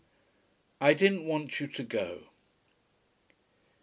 I DIDN'T WANT YOU TO GO.